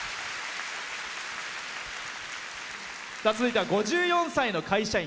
続いては５４歳の会社員。